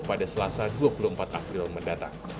pada selasa dua puluh empat april mendatang